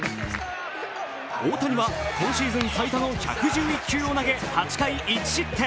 大谷は今シーズン最多の１１１球を投げ、８回１失点。